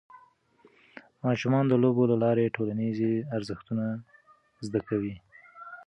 ماشومان د لوبو له لارې ټولنیز ارزښتونه زده کوي.